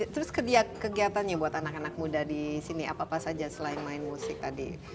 terus kegiatannya buat anak anak muda di sini apa apa saja selain main musik tadi